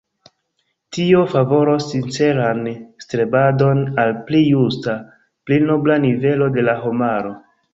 Tio favoros sinceran strebadon al pli justa, pli nobla nivelo de la homaro.